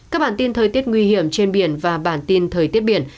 các bản tin thời tiết nguy hiểm trên biển và bản tin thời tiết biển